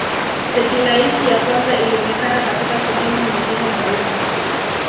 Setilaiti ya kwanza ilionekana katika sehemu nyingine za umma